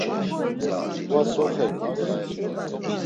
T̆ǩva so xert̆it?